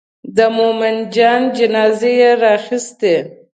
د مومن جان جنازه یې راخیستې.